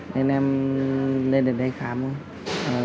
nên em lên đến đây khám thôi